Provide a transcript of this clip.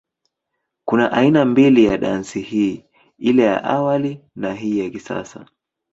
Kuna aina mbili ya dansi hii, ile ya awali na ya hii ya kisasa.